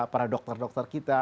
para dokter dokter kita